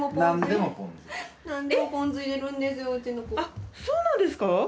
あっそうなんですか！？